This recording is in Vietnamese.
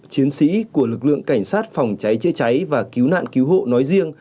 chiến sĩ của lực lượng cảnh sát phòng cháy chữa cháy và cứu nạn cứu hộ nói riêng